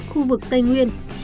khu vực tây nguyên